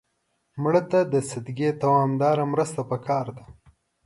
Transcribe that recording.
مړه ته د صدقې دوامداره مرسته پکار ده